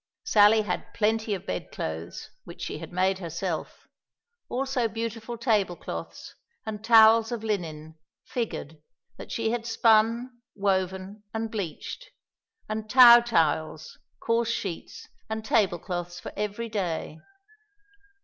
Sally had plenty of bed clothes, which she had made herself; also beautiful table cloths and towels of linen, figured, that she had spun, woven, and bleached; and tow towels, coarse sheets, and table cloths for every day.